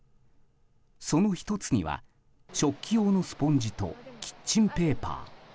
その１つには食器用のスポンジとキッチンペーパー。